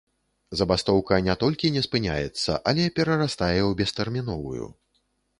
Забастоўка не толькі не спыняецца, але перарастае ў бестэрміновую.